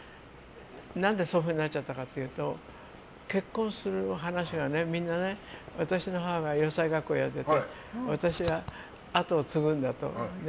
何でそういうふうになっちゃったかっていうと結婚する話が、みんな私の母が洋裁学校やってて私が跡を継ぐんだとね。